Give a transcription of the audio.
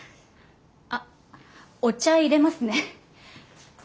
あっお茶いれますね。